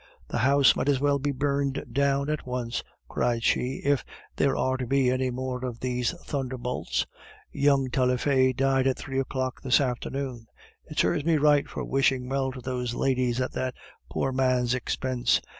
"The house might as well be burned down at once," cried she, "if there are to be any more of these thunderbolts! Young Taillefer died at three o'clock this afternoon. It serves me right for wishing well to those ladies at that poor man's expense.